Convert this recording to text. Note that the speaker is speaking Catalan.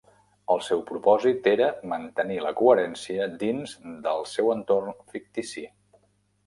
El seu propòsit era mantenir la coherència dins del seu entorn fictici.